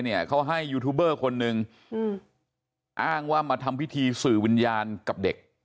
เนี่ยเขาให้ยูทูบเบอร์คนหนึ่งอ้างว่ามาทำพิธีสื่อวิญญาณกับเด็ก